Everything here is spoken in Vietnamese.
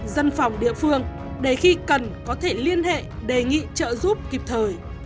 dân phòng địa phương để khi cần có thể liên hệ đề nghị trợ giúp kịp thời